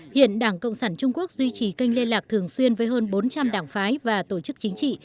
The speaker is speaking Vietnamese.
hiện đảng cộng sản trung quốc duy trì kênh liên lạc thường xuyên với hơn bốn trăm linh đảng phái và tổ chức chính trị